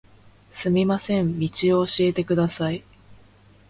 すみません、道を教えてください。